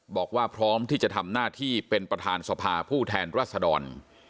บอกว่าพร้อมที่จะทำหน้าที่เป็นประธานสภาผู้แทนรัศดร